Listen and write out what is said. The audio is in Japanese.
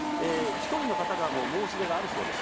１人の方が申し出があるそうです。